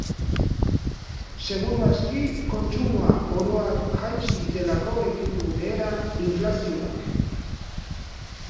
Seguru aski, kontsumoa oro har jaitsi delako egin du behera inflazioak.